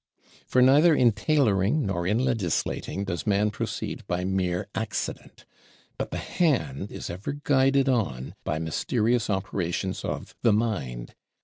For neither in tailoring nor in legislating does man proceed by mere Accident, but the hand is ever guided on by mysterious operations of the mind.